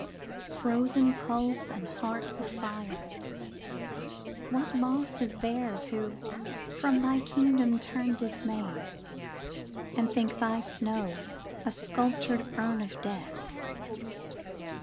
frozen pulse and heart of fire, What loss is theirs who from thy kingdom turn Dismayed, and think thy snow a sculptured urn Of death!